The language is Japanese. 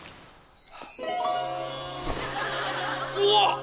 うわっ！